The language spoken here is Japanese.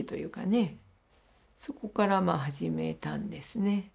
そこから始めたんですね。